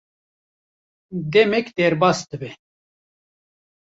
demek derbas dibe;